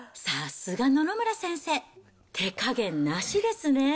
さすが野々村先生、手加減なしですね。